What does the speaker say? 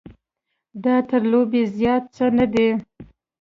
دا تر لوبې زیات څه نه دی.